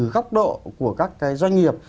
góc độ của các cái doanh nghiệp